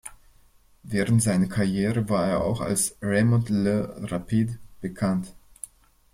Während seiner Karriere war er auch als ""Raymond le rapide"" bekannt.